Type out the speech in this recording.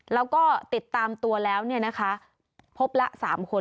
แล้วก็ติดตามตัวแล้วพบละ๓คน